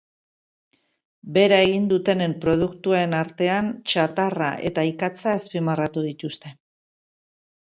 Behera egin dutenen produktuen artean txatarra eta ikatza azpimarratu dituzte.